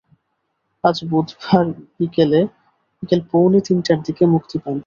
আজ বুধবার বিকেল পৌনে তিনটার দিকে মুক্তি পান তিনি।